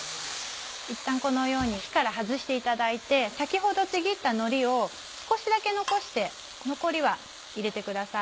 いったんこのように火から外していただいて先ほどちぎったのりを少しだけ残して残りは入れてください。